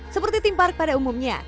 seperti theme park pada umumnya